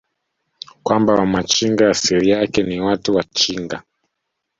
kwamba Wamachinga asili yake ni Watu wa chinga